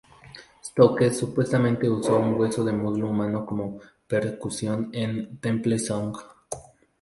Stokes supuestamente usó un hueso de muslo humano como percusión en "Temple Song".